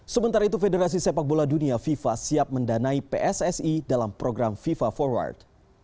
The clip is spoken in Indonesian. sementara itu federasi sepak bola dunia fifa siap mendanai pssi dalam program fifa forward